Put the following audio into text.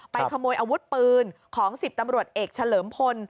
ขโมยอาวุธปืนของ๑๐ตำรวจเอกเฉลิมพล